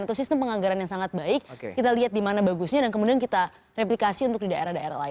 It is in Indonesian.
atau sistem penganggaran yang sangat baik kita lihat di mana bagusnya dan kemudian kita replikasi untuk di daerah daerah lain